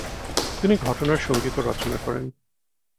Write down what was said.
তিনি ঘটনার সঙ্গীতও রচনা করেন।